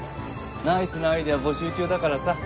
ナイスなアイデア募集中だからさ。